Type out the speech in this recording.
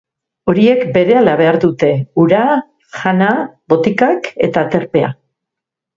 Horiek berehala behar dute ura, jana, botikak eta aterpea.